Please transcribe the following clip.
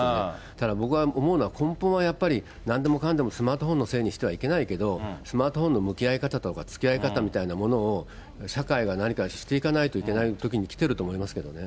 ただ僕が思うのは、根本はやっぱり、なんでもかんでもスマートフォンのせいにしてはいけないけど、スマートフォンの向き合い方とか、つきあい方みたいなものを、社会が何かしていかないといけないときに来てると思いますけどね。